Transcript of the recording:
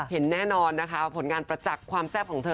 เห็นแน่นอนนะคะผลงานประจักษ์ความแซ่บของเธอ